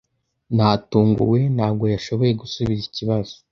Natunguwe, ntabwo yashoboye gusubiza ikibazo.